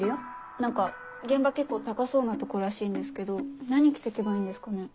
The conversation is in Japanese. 何か現場結構高そうなとこらしいんですけど何着てけばいいんですかね？